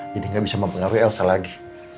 jadi gak bisa mempengaruhi elsa lagi